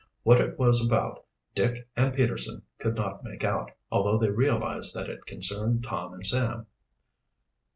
What it was about Dick and Peterson could not make out, although they realized that it concerned Tom and Sam.